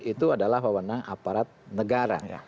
itu adalah pemenang aparat negara